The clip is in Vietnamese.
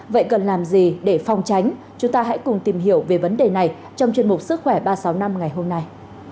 vậy cần làm gì để phòng tránh chúng ta hãy cùng tìm hiểu về vấn đề này trong chuyên mục sức khỏe ba trăm sáu mươi năm ngày hôm nay